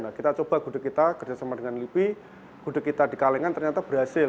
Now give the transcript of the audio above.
nah kita coba gudeg kita kerjasama dengan lipi gudeg kita di kalengan ternyata berhasil